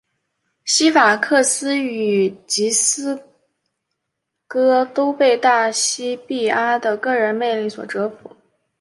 西法克斯与吉斯戈都被大西庇阿的个人魅力所折服。